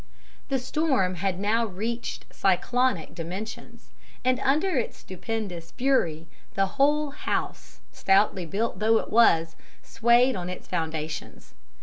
"The storm had now reached cyclonic dimensions, and under its stupendous fury the whole house stoutly built though it was swayed on its foundations.